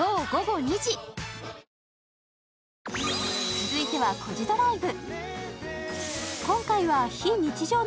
続いては「コジドライブ」。